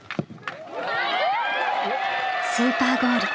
スーパーゴール。